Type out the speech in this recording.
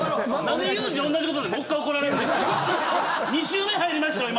２周目入りましたよ